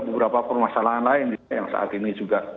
beberapa permasalahan lain yang saat ini juga